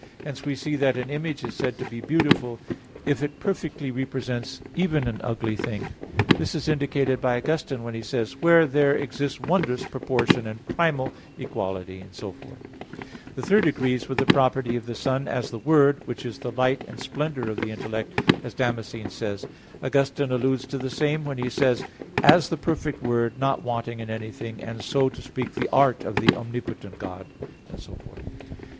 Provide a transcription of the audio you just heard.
Hence we see that an image is said to be beautiful, if it perfectly represents even an ugly thing. This is indicated by Augustine when he says (De Trin. vi, 10), "Where there exists wondrous proportion and primal equality," etc. The third agrees with the property of the Son, as the Word, which is the light and splendor of the intellect, as Damascene says (De Fide Orth. iii, 3). Augustine alludes to the same when he says (De Trin. vi, 10): "As the perfect Word, not wanting in anything, and, so to speak, the art of the omnipotent God," etc.